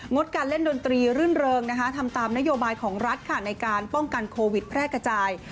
ดการเล่นดนตรีรื่นเริงทำตามนโยบายของรัฐในการป้องกันโควิดแพร่กระจาย